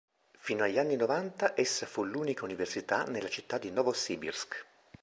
Fino agli anni novanta essa fu l'unica università nella città di Novosibirsk.